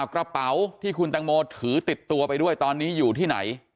กระเป๋าที่คุณตังโมถือติดตัวไปด้วยตอนนี้อยู่ที่ไหน